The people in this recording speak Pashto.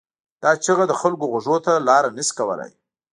دا چیغه د خلکو غوږونو ته لاره نه شي کولای.